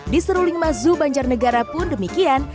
di seruling mazubanjarnegara pun demikian